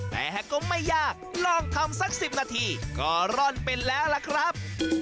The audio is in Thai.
แต่ก็ไม่ยากลองทำสัก๑๐นาทีก็ร่อนไปแล้วล่ะครับ